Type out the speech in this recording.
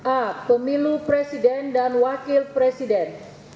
a pemilu presiden dan wakil presiden